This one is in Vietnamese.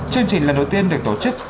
chương trình lần đầu tiên được tổ chức